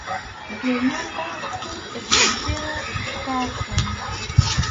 Dueñonqa huk extranjerom karqan.